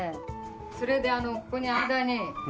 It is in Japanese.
それでここに間に。